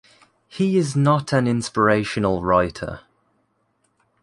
He is not an inspirational writer.